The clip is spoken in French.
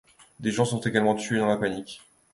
Des gens sont également tués dans la panique.